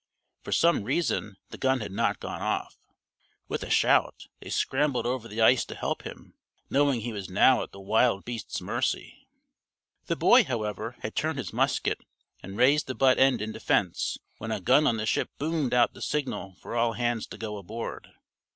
For some reason the gun had not gone off. With a shout they scrambled over the ice to help him, knowing he was now at the wild beast's mercy. The boy, however, had turned his musket and raised the butt end in defense when a gun on the ship boomed out the signal for all hands to go aboard.